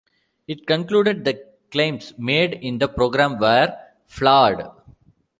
It concluded the claims made in the program were flawed.